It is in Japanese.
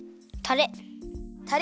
たれ！